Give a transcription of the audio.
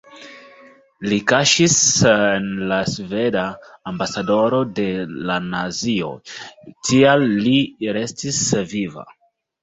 Li kaŝiĝis en la sveda ambasadoro de la nazioj, tial li restis viva.